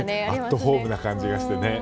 アットホームな感じがしてね。